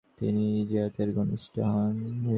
তিনি ইয়াজিদের ঘনিষ্ট হন।